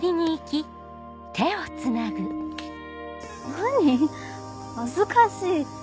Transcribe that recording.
何恥ずかしいって。